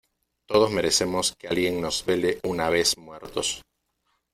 todos merecemos que alguien nos vele una vez muertos.